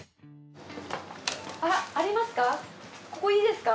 あらありますか？